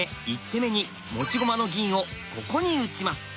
１手目に持ち駒の銀をここに打ちます。